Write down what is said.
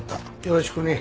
よろしくね。